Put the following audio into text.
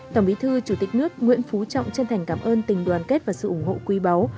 tổng bí thư chủ tịch nước nguyễn phú trọng chân thành cảm ơn tình đoàn kết và sự ủng hộ quý báu